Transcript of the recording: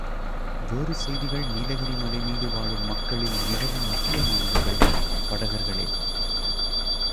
வேறு செய்திகள் நீலகிரி மலைமீது வாழும் மக்களில் மிகவும் முக்கியமானவர்கள் படகர்களே.